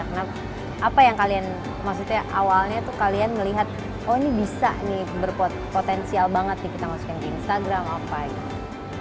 nah apa yang kalian maksudnya awalnya tuh kalian melihat oh ini bisa nih berpot potensial banget nih kita masukin ke instagram apa gitu